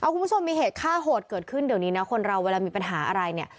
คุณผู้ชมมีเหตุฆ่าโหดเกิดขึ้นเดี๋ยวนี้นะคนเราเวลามีปัญหาอะไรเนี่ย